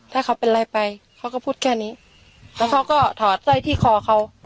ถ้าเขาเป็นอะไรไปเขาก็พูดแค่นี้แล้วเขาก็ถอดสร้อยที่คอเขา